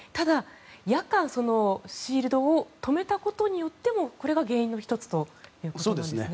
夜間、シールドを止めたことによってのこれが原因の１つということなんですね。